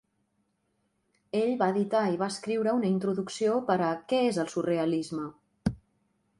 Ell va editar i va escriure una introducció per a "Què és el surrealisme?"